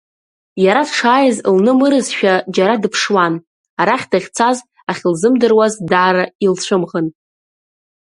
Иара дшааиз лнымырзшәа, џьара дыԥшуан, арахь дахьцаз ахьылзымдыруаз даара илцәымӷын.